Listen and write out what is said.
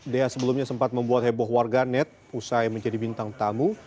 da sebelumnya sempat membuat heboh warga net usai menjadi bintang tamu